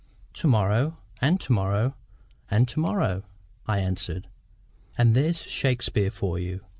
"To morrow, and to morrow, and to morrow," I answered; "and there's Shakespeare for you."